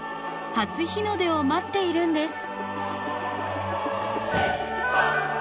初日の出を待っているんです。